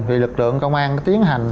thì lực lượng công an tiến hành